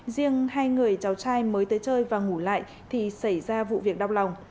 riêng hai người cháu trai mới tới chơi và ngủ lại thì xảy ra vụ việc đau lòng